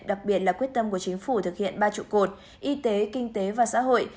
đặc biệt là quyết tâm của chính phủ thực hiện ba trụ cột y tế kinh tế và xã hội